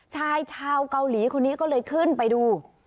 ชายชาวเกาหลีคนนี้ก็เลยขึ้นไปดู